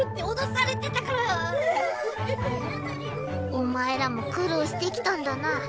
お前らも苦労してきたんだな。